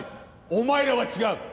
お前らは違う。